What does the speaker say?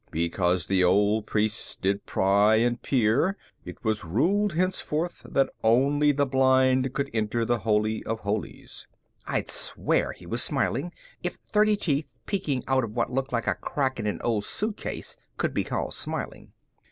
"Because the old priests did pry and peer, it was ruled henceforth that only the blind could enter the Holy of Holies." I'd swear he was smiling, if thirty teeth peeking out of what looked like a crack in an old suitcase can be called smiling.